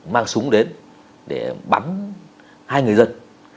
nó súng đến để bắn hai người dân